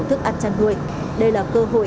thức ăn chăn nuôi đây là cơ hội